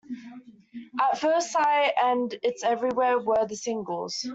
"At First Sight" and "It's Everywhere" were the singles.